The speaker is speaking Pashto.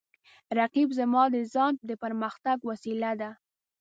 رقیب زما د ځان د پرمختګ وسیله ده